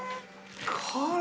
これ。